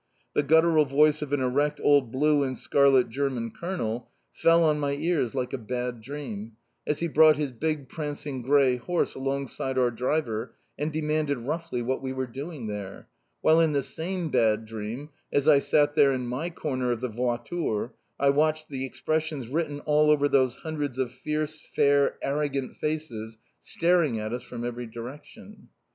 The guttural voice of an erect old blue and scarlet German colonel fell on my ears like a bad dream, as he brought his big prancing grey horse alongside our driver and demanded roughly what we were doing there, while in the same bad dream, as I sat there in my corner of the voiture, I watched the expressions written all over those hundreds of fierce, fair, arrogant faces, staring at us from every direction.